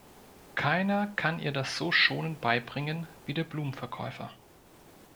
Keiner kann ihr das so schonend beibringen wie der Blumenverkäufer.